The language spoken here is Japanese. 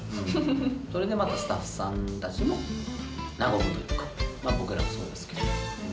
それでまたスタッフさんたちも和むというか僕らもそうですけど。